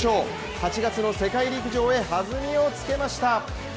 ８月の世界陸上へはずみをつけました。